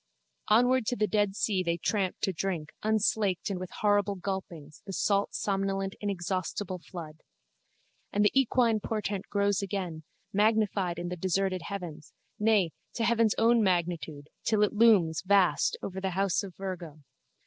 Onward to the dead sea they tramp to drink, unslaked and with horrible gulpings, the salt somnolent inexhaustible flood. And the equine portent grows again, magnified in the deserted heavens, nay to heaven's own magnitude, till it looms, vast, over the house of Virgo.